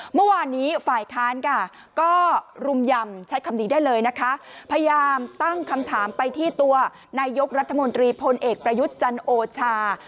เมื่อวานนี้ฝ่ายค้านค่ะก็รุมยำใช้คำนี้ได้เลยนะคะพยายามตั้งคำถามไปที่ตัวนายกรัฐมนตรีพลเอกประยุทธ์จันโอชา